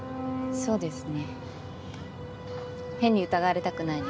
そうですよね。